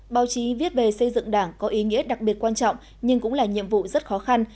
báo chí viết về xây dựng đảng có ý nghĩa đặc biệt quan trọng nhưng cũng là nhiệm vụ rất khó khăn